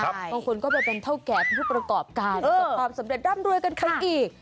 บางคนก็เป็นเท่าแก่ผู้ประกอบการสำเร็จร่ำรวยกันไปอีก